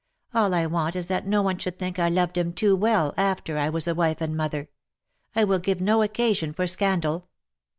All I want is that no one should think I loved him too well after I was a wife and mother. I will give no occasion for scandal.